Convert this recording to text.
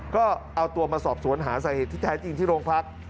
ก็เอาตัวมาสอบสวนหาสาเหตุที่แท้จริงที่โรงพัก